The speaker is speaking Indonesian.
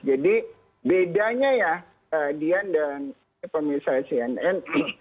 jadi bedanya ya dian dan pemirsa cnn